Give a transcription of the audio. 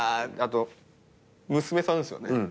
あと娘さんですよね？